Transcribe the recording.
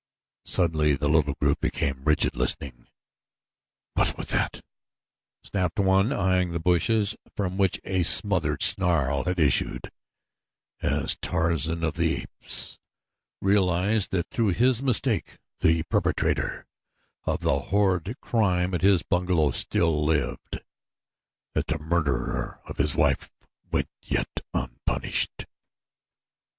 Suddenly the little group became rigid listening. "What was that?" snapped one, eyeing the bushes from which a smothered snarl had issued as Tarzan of the Apes realized that through his mistake the perpetrator of the horrid crime at his bungalow still lived that the murderer of his wife went yet unpunished.